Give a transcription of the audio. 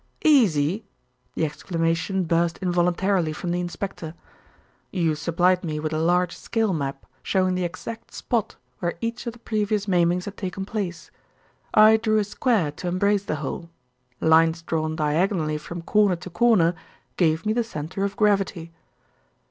"Easy!" The exclamation burst involuntarily from the inspector. "You supplied me with a large scale map showing the exact spot where each of the previous maimings had taken place. I drew a square to embrace the whole. Lines drawn diagonally from corner to corner gave me the centre of gravity."